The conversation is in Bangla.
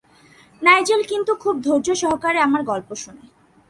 নাইজেল কিন্তু খুব ধৈর্য সহকারে আমার গল্প শুনে।